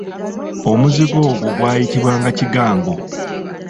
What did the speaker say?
Omuzigo ogwo gwayitibwanga "Kigango".